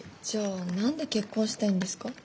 じゃあ何で結婚したいんですか？